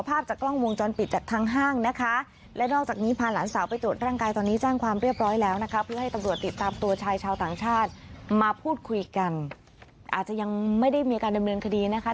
อาจจะยังไม่ได้มีอาการดำเนินคดีนะคะ